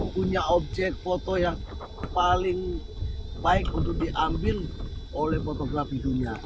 punya objek foto yang paling baik untuk diambil oleh fotografi dunia